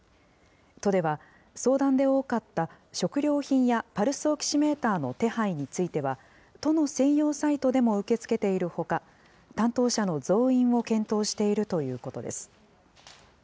都では、相談で多かった食料品やパルスオキシメーターの手配については、都の専用サイトでも受け付けているほか、担当者の増員を検討しているということです。